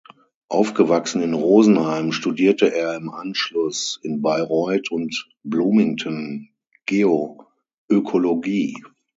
Aufgewachsen in Rosenheim studierte er im Anschluss in Bayreuth und Bloomington Geoökologie.